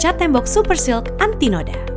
kaca tembok super silk anti noda